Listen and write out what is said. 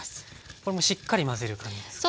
これもうしっかり混ぜる感じですか？